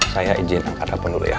saya izin angkat handphone dulu ya